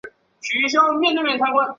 郭道甫人。